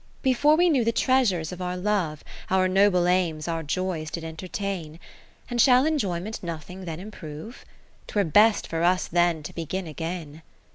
II Before we knew the treasures of our Love, Our noble aims our joys did entertain ; And shall enjoyment nothing then improve ? 'Twere best for us then to begin again.